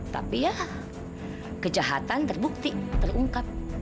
tapi ya kejahatan terbukti terungkap